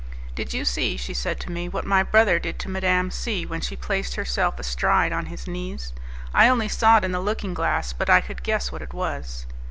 "Did you see," she said to me, "what my brother did to Madame C when she placed herself astride on his knees? I only saw it in the looking glass, but I could guess what it was."